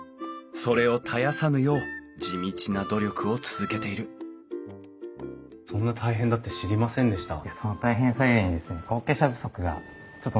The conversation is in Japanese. それを絶やさぬよう地道な努力を続けているそんな大変だって知りませんでした。